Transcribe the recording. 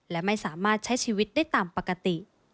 และไม่สามารถใช้ชีวิตได้ตามปกติ